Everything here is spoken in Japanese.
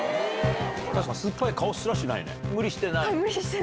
確かにすっぱい顔はしないね。